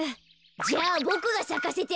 じゃあボクがさかせてあげるよ。